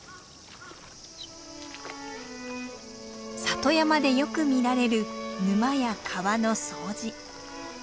里山でよく見られる沼や川の掃除。